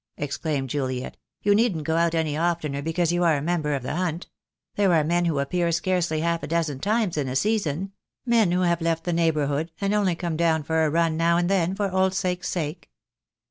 exclaimed Juliet. "You needn't go out any oftener because you are a member of the Hunt. There are men who appear scarcely half a dozen times in a season — men who have left the neigh bourhood, and only come down for a run now and then for old sake's sake."